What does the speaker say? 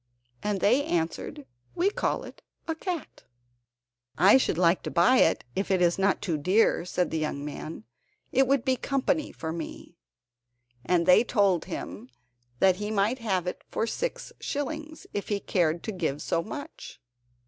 And they answered, "We call it a cat." "I should like to buy it—if it is not too dear," said the young man; "it would be company for me." And they told him that he might have it for six shillings, if he cared to give so much.